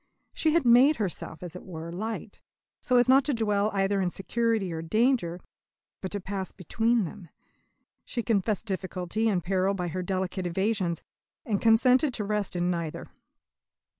She had made herself, as it were, light, so as not to dwell either in security or danger, but to pass between them. She confessed difficulty and peril by her delicate evasions, and consented to rest in neither.